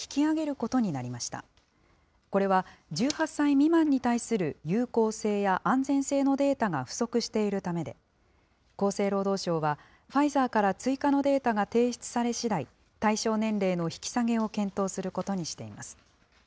これは１８歳未満に対する有効性や安全性のデータが不足しているためで、厚生労働省は、ファイザーから追加のデータが提出されしだい、対象年齢の引き下げを検討することにしています。